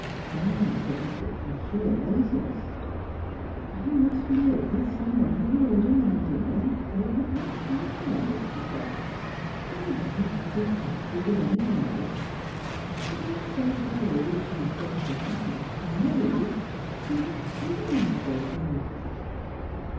Diana submitted from ^heer laziness. " I must live with some one who will order my dinner and pour out my tea for me," she said ;" and it may as well be Ger trude as rvuy one else. I daresay if I were rich enough to have a confidential maid, she would tyrannise over me."